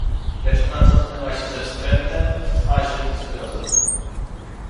"Lecz ona cofnęła się ze wstrętem w twarzy i zgrozą."